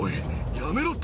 やめろって。